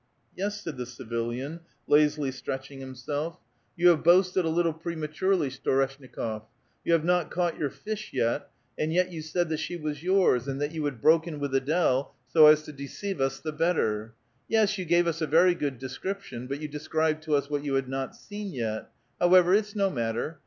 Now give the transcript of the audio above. " Yes," said the civilian, lazily stretching himself, " you A VITAL QUESTION. 25 have boasted a little prematurely, Storeshnikof ; yon have not caught your fish yet, and yet you said that she was yours, and that you had broken with Ad^le so as to deceive us the better. Yes, you gave us a very good description, but you described to us what you had not seen yet; however, it's no matter.